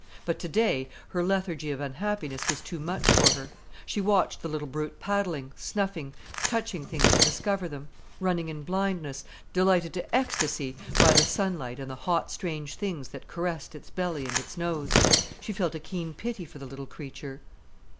But, today, her lethargy of unhappiness was too much for her. She watched the little brute paddling, snuffing, touching things to discover them, running in blindness, delighted to ecstasy by the sunlight and the hot, strange things that caressed its belly and its nose. She felt a keen pity for the little creature.